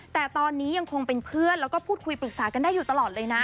แต่ตอนนี้ยังคงเป็นเพื่อนแล้วก็พูดคุยปรึกษากันได้อยู่ตลอดเลยนะ